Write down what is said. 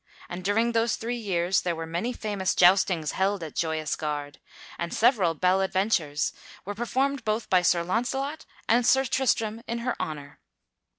And during those three years there were many famous joustings held at Joyous Gard, and several bel adventures were performed both by Sir Launcelot and Sir Tristram in her honor.